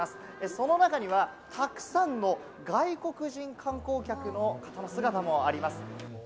その中には、たくさんの外国人観光客の方の姿もあります。